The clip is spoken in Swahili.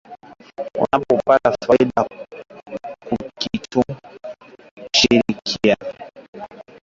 Unapo pata faida kukitu shikiliya